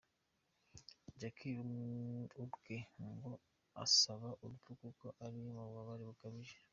Jackie ubwe ngo asaba urupfu kuko ari mu bubabare bukabije.